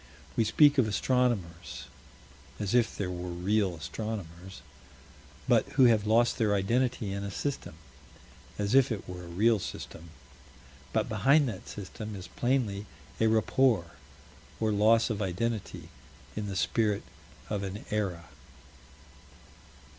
We speak of astronomers as if there were real astronomers but who have lost their identity in a System as if it were a real System but behind that System is plainly a rapport, or loss of identity in the Spirit of an Era.